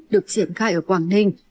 được triển khai ở quảng ninh